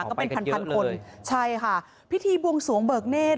ก็เป็นพันพันคนใช่ค่ะพิธีบวงสวงเบิกเนธ